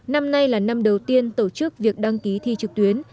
năm nay là năm đầu tiên tổ chức việc đăng ký thi trực tuyến